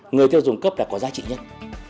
người tiêu dùng cấp là có giá trị nhất